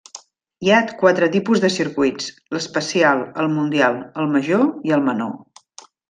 Hi ha quatre tipus de circuits: l'especial, el mundial, el major i el menor.